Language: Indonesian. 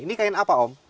ini kain apa om